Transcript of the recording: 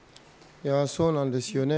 そうなんですよね。